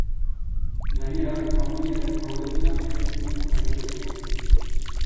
Gainera, familiaren jauregia eraiki zuen jaioterrian.